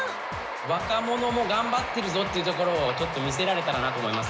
若者も頑張ってるぞっていうところをちょっと見せられたらなと思います。